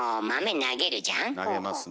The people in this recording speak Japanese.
投げますね。